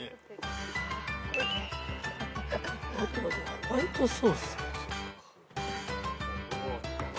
ホワイトソース？